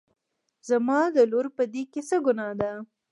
زما د لور په دې کې څه ګناه ده